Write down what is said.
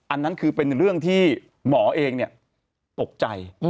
อันนั้นคือเป็นเรื่องที่หมอเองตกใจ